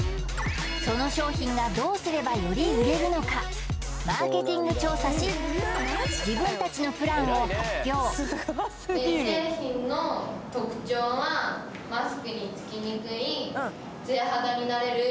その商品がどうすればより売れるのかマーケティング調査し自分たちのプランを発表かなって思います